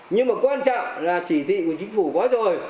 nhưng mà quan trọng là chỉ thị của chính phủ có rồi